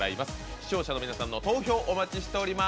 視聴者の皆さんの投票お待ちしております。